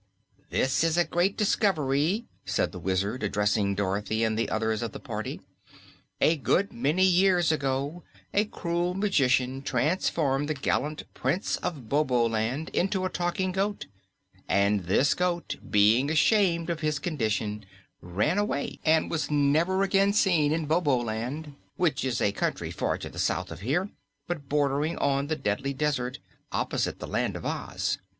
"This is a great discovery," said the Wizard, addressing Dorothy and the others of the party. "A good many years ago a cruel magician transformed the gallant Prince of Boboland into a talking goat, and this goat, being ashamed of his condition, ran away and was never after seen in Boboland, which is a country far to the south of here but bordering on the Deadly Desert, opposite the Land of Oz.